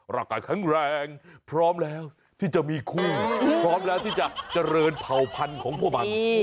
ร่างกายแข็งแรงพร้อมแล้วที่จะมีคู่พร้อมแล้วที่จะเจริญเผ่าพันธุ์ของพวกมัน